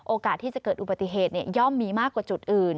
โอกาสที่จะเกิดอุบัติเหตุย่อมมีมากกว่าจุดอื่น